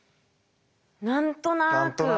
何となく。